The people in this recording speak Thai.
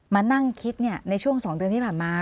มานั่งคิดในช่วง๒เดือนที่ผ่านมา